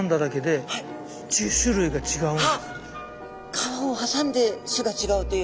川を挟んで種が違うという。